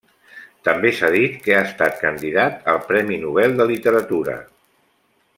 També s'ha dit que ha estat candidat al Premi Nobel de Literatura.